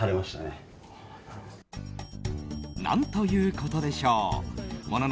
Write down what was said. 何ということでしょう。